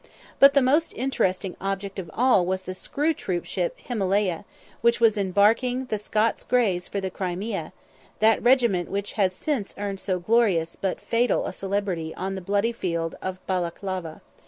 But the most interesting object of all was the screw troop ship Himalaya, which was embarking the Scots Greys for the Crimea that regiment which has since earned so glorious but fatal a celebrity on the bloody field of Balaklava.